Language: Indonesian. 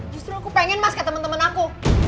justru aku pengen mas ke temen temen aku